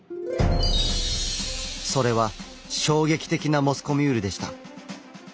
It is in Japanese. それは衝撃的なモスコミュールでした。